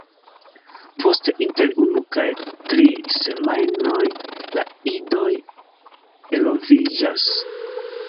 Post inter unu kaj tri semajnoj la idoj eloviĝas.